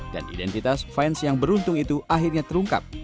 dan identitas fans yang beruntung itu akhirnya terungkap